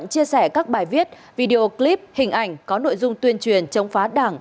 chia sẻ các bài viết video clip hình ảnh có nội dung tuyên truyền chống phá đảng